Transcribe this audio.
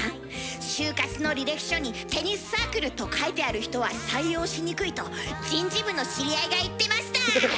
就活の履歴書に「テニスサークル」と書いてある人は採用しにくいと人事部の知り合いが言ってました！